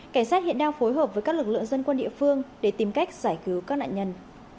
cảnh sát hiện đang phối hợp với các lực lượng dân quân địa phương để tìm cách giải cứu các nạn nhân